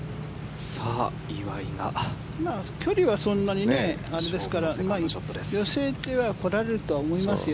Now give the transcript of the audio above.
距離はそんなにあれですから寄せてこられると思いますよ。